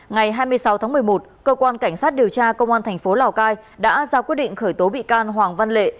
ngày hai mươi sáu tháng một mươi một cơ quan cảnh sát điều tra công an thành phố lào cai đã ra quyết định khởi tố bị can hoàng văn lệ